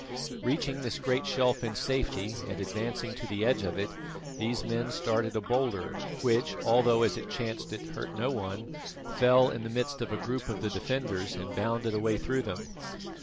Reaching this great shelf in safety and advancing to the edge of it, these men started a boulder, which, although as it chanced it hurt no one, fell in the midst of a group of the defenders and bounded away through them.